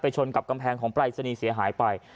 ชนกับกำแพงของปรายศนีย์เสียหายไป